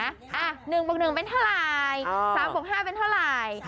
๑บวก๑เป็นเท่าไหร่๓บวก๕เป็นเท่าไหร่